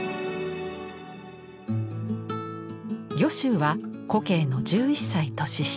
御舟は古径の１１歳年下。